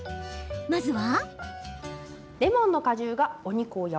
まずは。